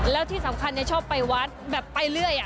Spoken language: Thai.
แล้วที่สำคัญชอบไปวัดแบบไปเรื่อย